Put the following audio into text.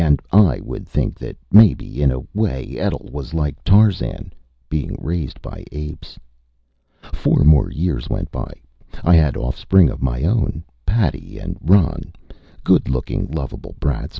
And I would think that maybe in a way Etl was like Tarzan, being raised by apes. Four more years went by. I had offspring of my own. Patty and Ron. Good looking, lovable brats.